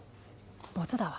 ボツだわ。